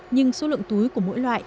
nhưng số lượng túi của mỗi loại